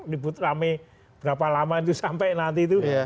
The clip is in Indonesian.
di bud rame berapa lama itu sampai nanti itu